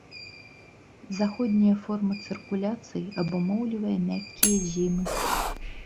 Заходняя форма цыркуляцыі абумоўлівае мяккія зімы.